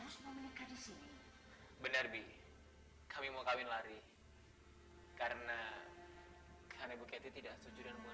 sampai jumpa di video selanjutnya